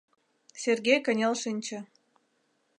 Сергей кынел шинче.